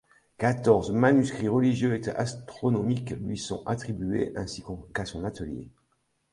Quatorze manuscrits religieux et astronomiques lui sont attribués ainsi qu'à son atelier.